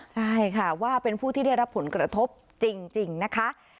ใช่ค่ะว่าเป็นผู้ที่ได้รับผลกระทบจริงนะคะ